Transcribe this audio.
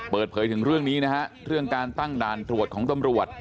เปิดเผยถึงเรื่องนี้นะฮะเรื่องการตั้งด่านตรวจของตำรวจ